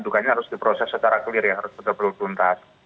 dugaannya harus diproses secara clear ya harus bergeblut geblut